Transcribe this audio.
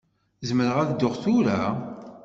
Zemreɣ ad dduɣ tura?